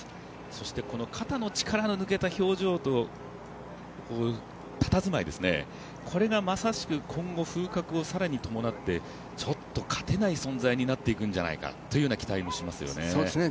そして肩の力の抜けた表情とたたずまい、これがまさしく今後、風格をさらに伴ってちょっと勝てない存在になっていくんじゃないかという期待もしますよね。